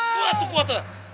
kuat tuh kuat tuh